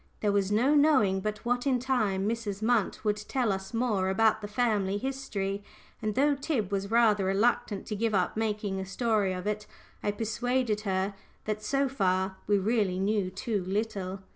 There was no knowing but what in time Mrs. Munt would tell us more about the family history, and though Tib was rather reluctant to give up making a story of it, I persuaded her that so far we really knew too little.